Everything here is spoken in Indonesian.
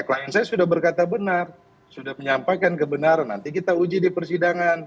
klien saya sudah berkata benar sudah menyampaikan kebenaran nanti kita uji di persidangan